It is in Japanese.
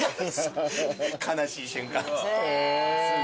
悲しい瞬間。